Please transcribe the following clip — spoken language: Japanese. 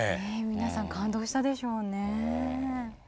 皆さん感動したでしょうね。